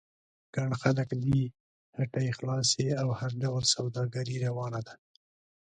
ګڼ خلک دي، هټۍ خلاصې او هر ډول سوداګري روانه ده.